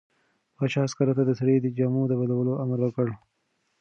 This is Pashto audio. پاچا عسکرو ته د سړي د جامو د بدلولو امر وکړ.